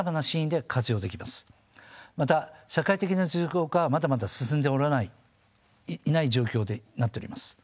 また社会的な実用化はまだまだ進んでいない状況になっております。